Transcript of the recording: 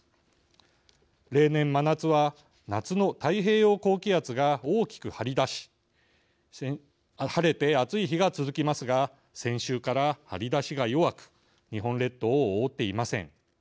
例年真夏は夏の太平洋高気圧が大きく張り出し晴れて暑い日が続きますが先週から張り出しが弱く日本列島を覆っていません。